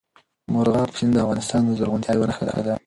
مورغاب سیند د افغانستان د زرغونتیا یوه نښه ده.